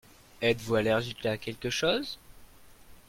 Êtes-vous allergique à quelque chose ?